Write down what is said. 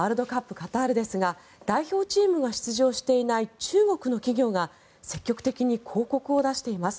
カタールですが代表チームが出場していない中国の企業が積極的に広告を出しています。